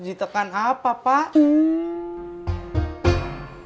di tekan apa pak